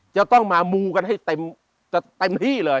จะต้องมามูกันให้เต็มที่เลย